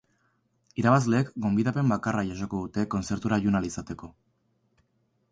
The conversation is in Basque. Irabazleek gonbidapen bakarra jasoko dute kontzertura joan ahal izateko.